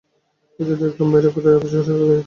এই যে দেখলুম, বাইরে তোমার আপিসঘরে গিয়ে ঢুকল।